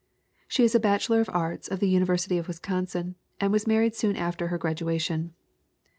She is a Bachelor of Arts of the University of Wisconsin and was married soon after her gradu ation.